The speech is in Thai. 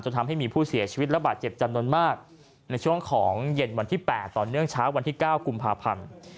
ทำให้มีผู้เสียชีวิตระบาดเจ็บจำนวนมากในช่วงของเย็นวันที่๘ต่อเนื่องเช้าวันที่๙กุมภาพันธ์